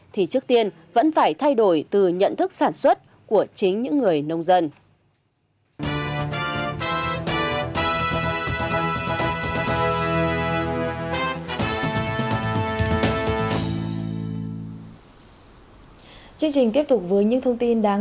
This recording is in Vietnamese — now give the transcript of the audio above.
thì trước tiên vẫn phải thay đổi từ nhận thức sản xuất của chính những người nông dân